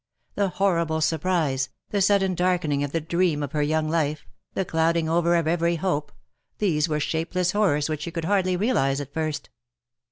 The horrible surprise, the sudden darkening of the dream of her young life, the cloud ing over of every hope, these were shapeless horrors which she could hardly realize at first.